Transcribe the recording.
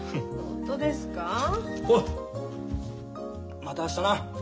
また明日な。